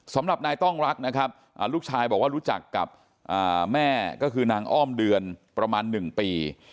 สำหรับนายต้องรักนะครับลูกชายบอกว่ารู้จักกับแม่ก็คือนางอ้อมเดือนประมาณ๑ปี